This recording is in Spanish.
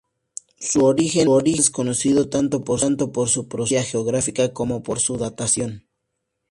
Su origen es desconocido tanto por su procedencia geográfica como por su datación.